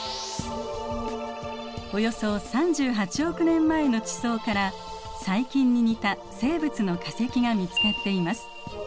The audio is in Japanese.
およそ３８億年前の地層から細菌に似た生物の化石が見つかっています。